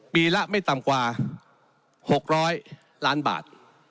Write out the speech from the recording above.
ปีละไม่ต่ำกว่า๖๐๐ล้านบาท